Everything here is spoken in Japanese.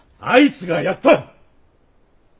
あいつが殺った。